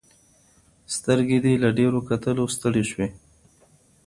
سترګې دې له ډیرو کتلو ستړي سوې.